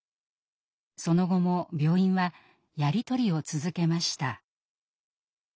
その後も病院はやり取りを続けました。